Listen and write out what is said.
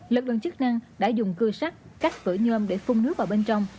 lực lượng chức năng đã dùng cưa sắt cắt cửa nhôm để phun nước vào bên trong